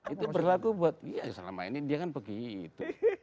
itu berlaku buat ya selama ini dia kan begitu